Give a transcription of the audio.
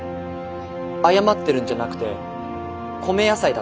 謝ってるんじゃなくて米野菜だったんです。